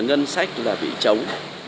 ngân sách là bị chống